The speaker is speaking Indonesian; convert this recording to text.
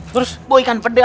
terus bau ikan peda